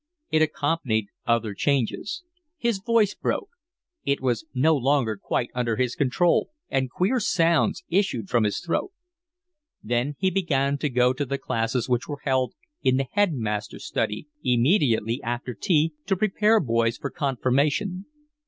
It accompanied other changes. His voice broke. It was no longer quite under his control, and queer sounds issued from his throat. Then he began to go to the classes which were held in the headmaster's study, immediately after tea, to prepare boys for confirmation.